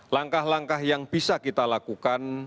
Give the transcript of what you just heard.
langkah langkah yang bisa kita lakukan